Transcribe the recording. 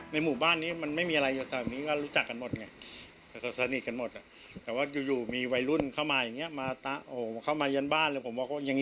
เขามายินอยู่ประจำแล้ว